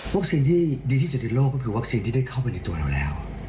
ที่ดีที่สุดในโลกก็คือวัคซีนที่ได้เข้าไปในตัวเราแล้ว